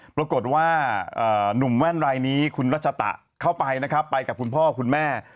ปรากฏว่าหนุ่มแว่นรายนี้คุณรัชตะเข้าไปนะครับไปกับคุณพ่อคุณแม่